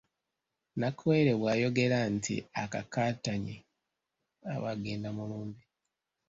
Nakawere bw’ayogera nti akakaatanye aba agenda mu lumbe.